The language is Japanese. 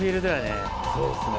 そうですね